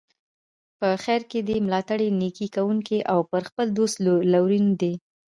په خیر کې دي ملاتړی، نیکي کوونکی او پر خپل دوست لورین وي.